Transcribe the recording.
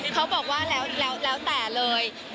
เขาบอกว่าแล้วแต่เลย